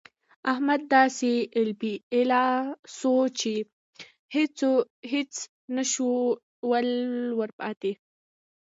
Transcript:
احمد داسې الپی الا سو چې هيڅ نه شول ورپاته.